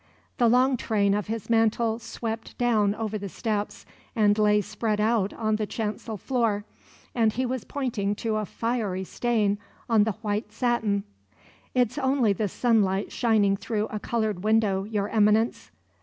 The long train of his mantle swept down over the steps and lay spread out on the chancel floor, and he was pointing to a fiery stain on the white satin. "It's only the sunlight shining through a coloured window, Your Eminence."